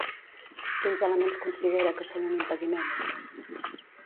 Quins elements considera que són un impediment?